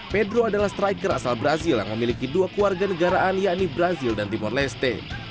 pedro adalah striker asal brazil yang memiliki dua keluarga negaraan yakni brazil dan timor leste